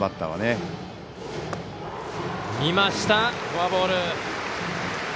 フォアボール。